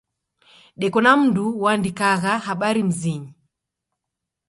Deko na mndu uandikagha habari mzinyi.